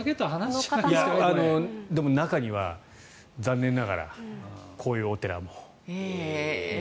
でも中には残念ながらこういうお寺も。